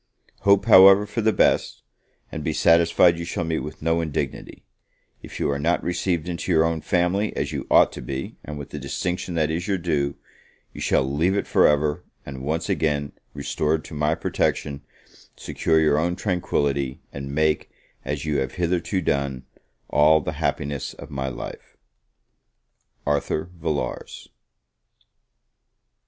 Hope, however, for the best, and be satisfied you shall meet with no indignity; if you are not received into your own family as you ought to be, and with the distinction that is your due, you shall leave it for ever; and once again restored to my protection, secure your own tranquillity, and make, as you have hitherto done, all the happiness of my life. ARTHUR VILLARS.